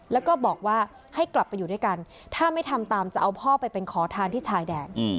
แล้วก็บอกว่าให้กลับไปอยู่ด้วยกันถ้าไม่ทำตามจะเอาพ่อไปเป็นขอทานที่ชายแดน